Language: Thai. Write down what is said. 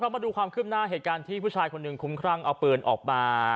มาดูความคืบหน้าเหตุการณ์ที่ผู้ชายคนหนึ่งคุ้มครั่งเอาปืนออกมา